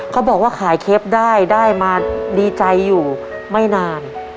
เขาบอกว่าขายเคปได้ได้มาดีใจอยู่ไม่นาน